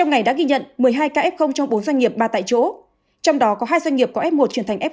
ngày đã ghi nhận một mươi hai ca f trong bốn doanh nghiệp ba tại chỗ trong đó có hai doanh nghiệp có f một chuyển thành f